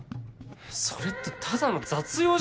それってただの雑用じゃないっすか！